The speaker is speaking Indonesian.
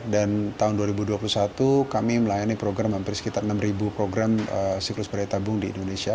dan tahun dua ribu dua puluh satu kami melayani program hampir sekitar enam ribu program siklus bayi tabung di indonesia